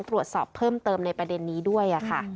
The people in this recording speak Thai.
ตรวจสอบเพิ่มเติมในประเด็นนี้ด้วยค่ะ